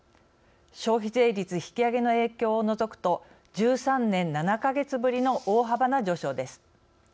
消費税率引き上げの影響を除くと１３年７か月ぶりの大幅な上昇です。